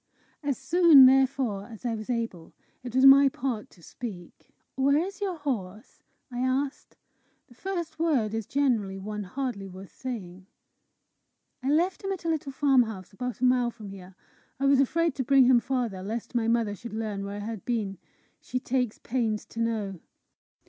As soon, therefore, as I was able, it was my part to speak. "Where is your horse?" I asked. The first word is generally one hardly worth saying. "I left him at a little farmhouse, about a mile from here. I was afraid to bring him farther, lest my mother should learn where I had been. She takes pains to know."